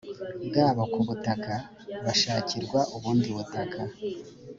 bwabo ku butaka bashakirwa ubundi butaka